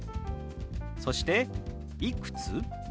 そして「いくつ？」。